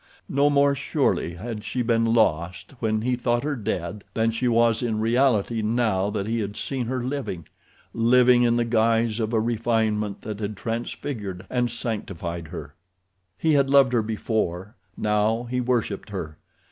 No more surely had she been lost when he thought her dead than she was in reality now that he had seen her living—living in the guise of a refinement that had transfigured and sanctified her. He had loved her before, now he worshipped her.